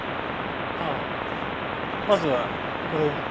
ああまずはこれを。